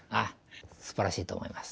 すばらしいと思います。